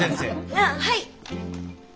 あっはい。